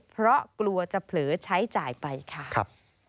เพราะกลัวจะเผลอใช้จ่ายไปค่ะ